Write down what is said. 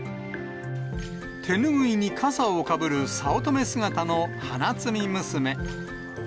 手ぬぐいにかさをかぶる早乙女姿の花摘み娘。